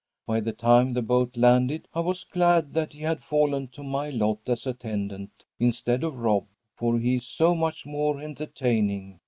By the time the boat landed I was glad that he had fallen to my lot as attendant instead of Rob, for he is so much more entertaining.